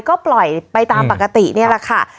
ก็ปล่อยไปตามปกตินี่แหละค่ะ